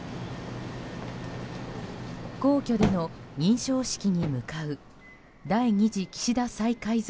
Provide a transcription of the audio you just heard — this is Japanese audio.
皇居での認証式に向かう第２次岸田再改造